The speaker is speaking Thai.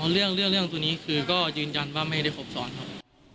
เรื่องตัวนี้คือก็ยืนยันว่าไม่ได้ครบซ้อนครับ